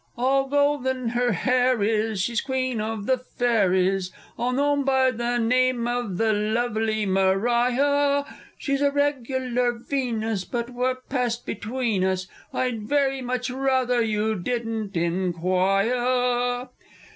All golden her hair is, She's Queen of the Fairies, And known by the name of the lovely Mariah, She's a regular Venus, But what passed between us, I'd very much rawthah you didn't inquiah!